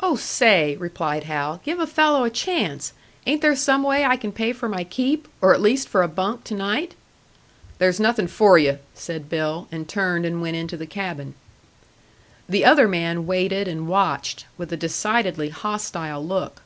"Oh, say!" replied Hal. "Give a fellow a chance! Ain't there some way I can pay for my keep or at least for a bunk to night?" "There's nothin' for you," said Bill, and turned and went into the cabin. The other man waited and watched, with a decidedly hostile look.